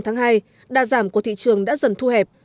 thậm chí đa giảm của thị trường đã dần thu hẹp